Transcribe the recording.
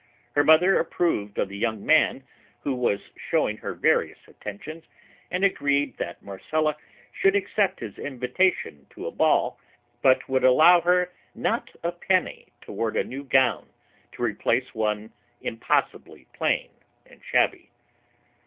Her mother approved of the young man who was showing her various attentions and agreed that Marcella should accept his invitation to a ball, but would allow her not a penny toward a new gown to replace one impossibly plain and shabby.